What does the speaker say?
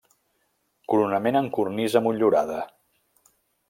Coronament en cornisa motllurada.